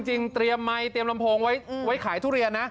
เตรียมไมค์เตรียมลำโพงไว้ขายทุเรียนนะ